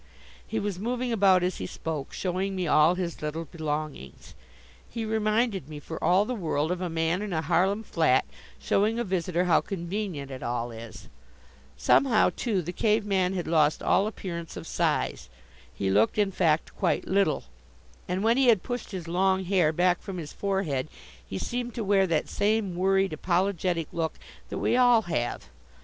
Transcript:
He was moving about as he spoke, showing me all his little belongings. He reminded me for all the world of a man in a Harlem flat, showing a visitor how convenient it all is. Somehow, too, the Cave man had lost all appearance of size. He looked, in fact, quite little, and when he had pushed his long hair back from his forehead he seemed to wear that same, worried, apologetic look that we all have.